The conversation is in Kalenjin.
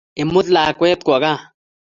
imut lakwet kowo gaa